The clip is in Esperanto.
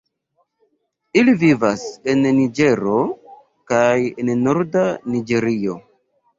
Ili vivas en Niĝero kaj en norda Niĝerio.